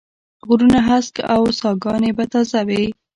غرونه هسک و او ساګاني به تازه وې